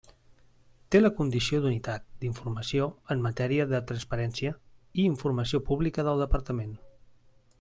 Té la condició d'unitat d'informació en matèria de transparència i informació pública del Departament.